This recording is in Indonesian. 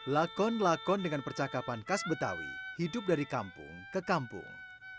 lakon lakon dengan percakapan khas betawi hidup dari kampung ke kampung